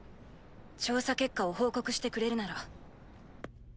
調査結果を報告してくれるなら。